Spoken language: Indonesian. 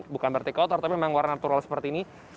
bukan berarti kotor tapi memang warna natural seperti ini